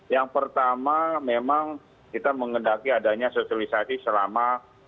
yang pertama memang kita mengendaki adanya sosialisasi selama